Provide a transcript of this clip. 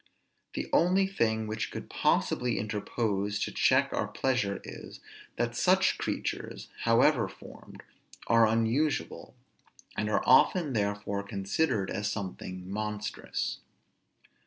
The only thing which could possibly interpose to check our pleasure is, that such creatures, however formed, are unusual, and are often therefore considered as something monstrous.